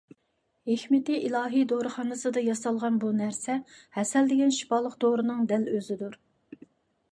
ھېكمىتى ئىلاھىي دورىخانىسىدا ياسالغان بۇ نەرسە ھەسەل دېگەن شىپالىق دورىنىڭ دەل ئۆزىدۇر.